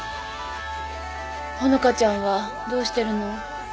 ほのかちゃんはどうしてるの？